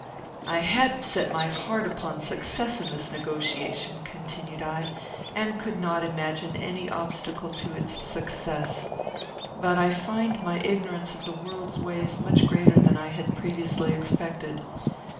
"I had set my heart upon success in this negotiation," continued I, "and could not imagine any obstacle to its success; but I find my ignorance of the world's ways much greater than I had previously expected.